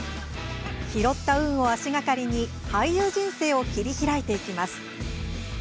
拾った運を足がかりに俳優人生を切り開いていきます。